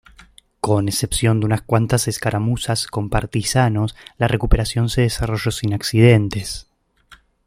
Con excepción de unas cuantas escaramuzas con partisanos, la recuperación se desarrolló sin incidentes.